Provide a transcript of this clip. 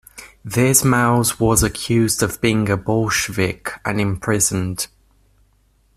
This mouse was accused of being a Bolshevik, and imprisoned.